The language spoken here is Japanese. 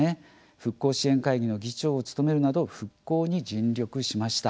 復興支援会議の議長を務めるなど復興に尽力しました。